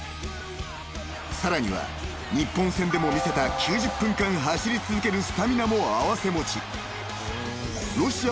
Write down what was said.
［さらには日本戦でも見せた９０分間走り続けるスタミナも併せ持ち］